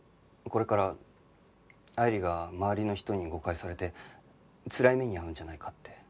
これから愛理が周りの人に誤解されてつらい目に遭うんじゃないかって。